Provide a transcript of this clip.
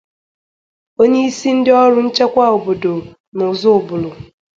Onyeisi ndị ọrụ nchekwa obodo n'Ọzụbụlụ